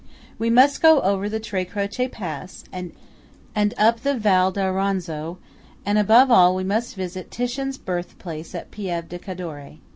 We must go over the Tre Croce pass, and up the Val d'Auronzo; and above all we must visit Titian's birthplace at Pieve di Cadore.